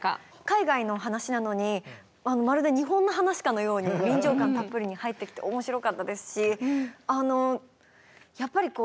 海外の話なのにまるで日本の話かのように臨場感たっぷりに入ってきて面白かったですし。